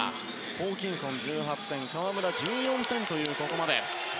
ホーキンソン、１８点河村は１４点という、ここまで。